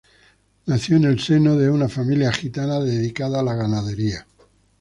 Nació en el seno de una familia gitana dedicada a la ganadería.